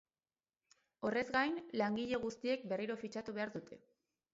Horrez gain, langile guztiek berriro fitxatu behar dute.